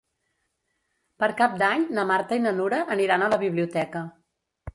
Per Cap d'Any na Marta i na Nura aniran a la biblioteca.